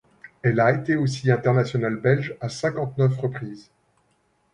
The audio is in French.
Elle a été aussi internationale belge à cinquante-neuf reprises.